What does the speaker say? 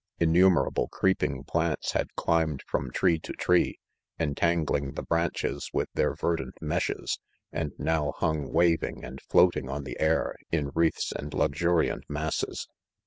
Innumerable creeping plants had climbed from tree to tree, entangling the branches with their Yerdant meshes, and now hung waving and floating on the air in wreaths and luxuriant masses